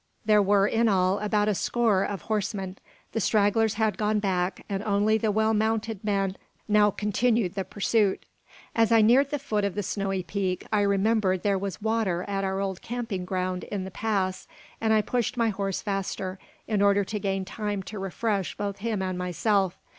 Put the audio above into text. There were in all about a score of horsemen. The stragglers had gone back, and only the well mounted men now continued the pursuit. As I neared the foot of the snowy peak, I remembered there was water at our old camping ground in the pass; and I pushed my horse faster, in order to gain time to refresh both him and myself.